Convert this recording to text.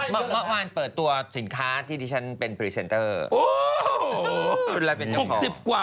เมื่อวานเปิดตัวสินค้าที่ดิฉันเป็นเพราะคุณ